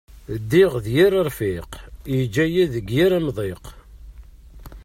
Ddiɣ d yir arfiq, yeǧǧa-yi deg yir amḍiq.